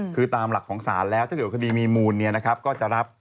คือตามหลักของศาลแล้วถ้าเกิดคดีมีมูลก็จะรับ